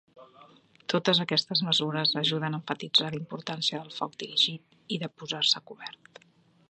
Totes aquestes mesures ajuden a emfatitzar la importància del foc dirigit i de posar-se a cobert.